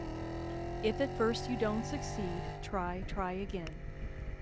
If at first you don't succeed, try, try again.